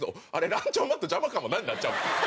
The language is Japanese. ランチョンマット邪魔かもな」になっちゃう。